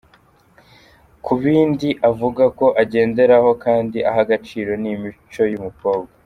Ku bindi avuga ko agenderaho kandi aha agaciro, ni imico y’umukobwa.